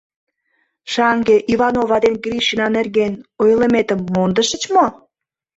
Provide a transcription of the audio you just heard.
Шаҥге Иванова ден Гришина нерген ойлыметым мондышыч мо?